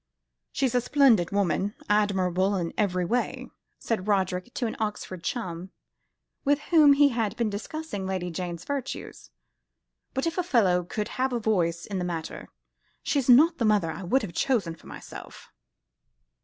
"She's a splendid woman, admirable in every way," said Roderick to an Oxford chum, with whom he had been discussing Lady Jane's virtues; "but if a fellow could have a voice in the matter, she's not the mother I should have chosen for myself."